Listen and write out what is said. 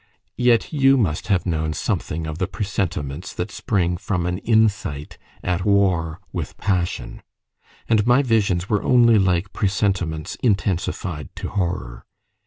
Yet you must have known something of the presentiments that spring from an insight at war with passion; and my visions were only like presentiments intensified to horror.